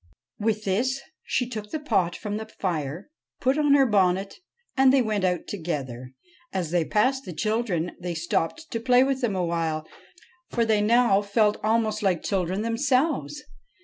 With this she took the pot from the fire, put on her bonnet, and they went out together. As they passed the children, they stopped to play with them a while, for they now felt almost like children themselves.